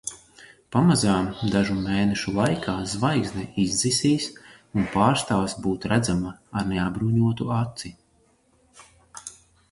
Pamazām dažu mēnešu laikā zvaigzne izdzisīs un pārstās būt redzama ar neapbruņotu aci.